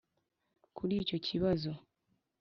kuri icyo kibazo,